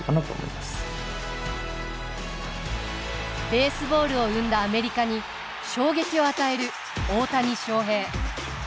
ベースボールを生んだアメリカに衝撃を与える大谷翔平。